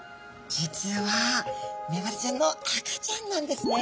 実はメバルちゃんの赤ちゃんなんですね。